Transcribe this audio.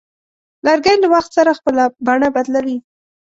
لرګی له وخت سره خپل بڼه بدلوي.